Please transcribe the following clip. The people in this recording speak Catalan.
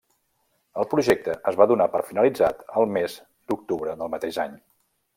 El projecte es va donar per finalitzat el mes d'octubre del mateix any.